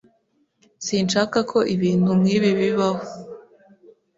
Sinshaka ko ibintu nkibi bibaho.